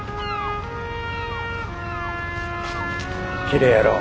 きれいやろ。